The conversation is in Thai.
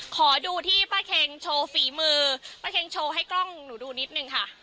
ขอดูที่ป้าเค็งโชว์ฝีมือป้าเค็งโชว์ให้กล้องหนูดูนิดนึงค่ะ